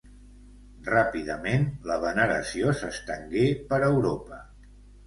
Ràpidament, la veneració s'estengué per Europa.